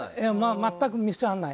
全くミスらない。